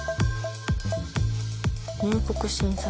入国審査室。